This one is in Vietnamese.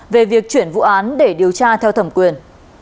về việc chuyển vụ án để điều tra theo thẩm quyền